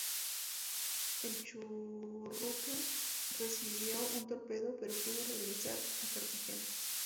El Churruca recibió un torpedo pero pudo regresar a Cartagena.